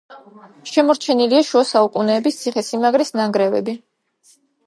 შემორჩენილია შუა საუკუნეების ციხესიმაგრის ნანგრევები.